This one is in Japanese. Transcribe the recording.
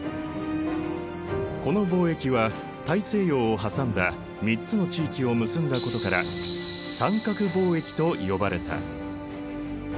この貿易は大西洋を挟んだ３つの地域を結んだことから三角貿易と呼ばれた。